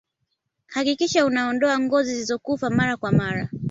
hakikisha unaondoa ngozi zilizokufa mara kwa mara